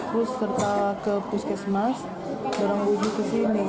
terus serta ke puskesmas baru berujuk ke sini